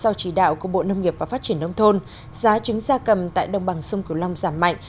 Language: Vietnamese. sau chỉ đạo của bộ nông nghiệp và phát triển nông thôn giá trứng gia cầm tại đồng bằng sông cửu long giảm mạnh